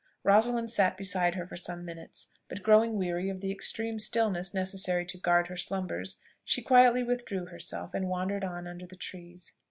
Rosalind sat beside her for some minutes; but, growing weary of the extreme stillness necessary to guard her slumbers, she quietly withdrew herself, and wandered on under the trees.